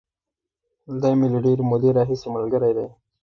دی مې له ډېرې مودې راهیسې ملګری دی.